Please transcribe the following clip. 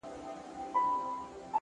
زغم د حکمت نښه ده.